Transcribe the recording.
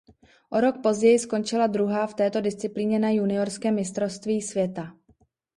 O rok později skončila druhá v této disciplíně na juniorském mistrovství světa.